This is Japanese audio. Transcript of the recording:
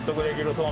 そう。